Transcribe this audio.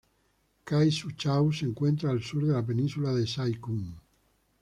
Kau Sai Chau se encuentra al sur de la península de Sai Kung.